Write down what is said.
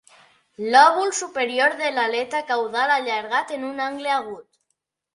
Lòbul superior de l'aleta caudal allargat en un angle agut.